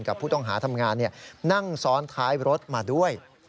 กับผู้ต้องหาทำงานนั่งซ้อนท้ายรถมาด้วย